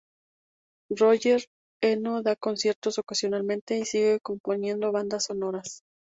Roger Eno da conciertos ocasionalmente y sigue componiendo bandas sonoras.